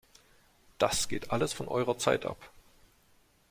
Das geht alles von eurer Zeit ab!